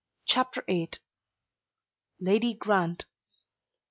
CHAPTER VIII. LADY GRANT.